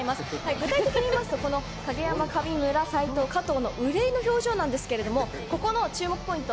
具体的に言いますと影山、上村、齊藤の憂いの表情なんですけどもここの注目ポイント